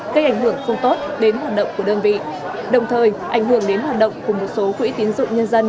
gây ảnh hưởng không tốt đến hoạt động của đơn vị đồng thời ảnh hưởng đến hoạt động của một số quỹ tiến dụng nhân dân